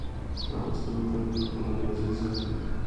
د اغوستلو توکي تر خپلې اندازې زیات وي